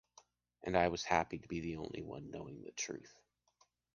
And I was happy to be the only one knowing the truth.